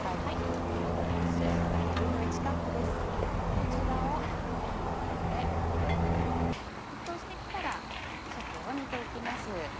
こちらを火にかけて沸騰して来たら鮭を煮て行きます。